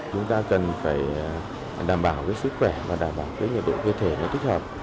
chúng ta cần phải đảm bảo sức khỏe và đảm bảo nhiệt độ cơ thể nó thích hợp